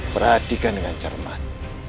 perhatikan dengan cermat